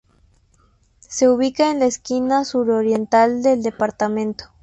Se ubica en la esquina suroriental del departamento.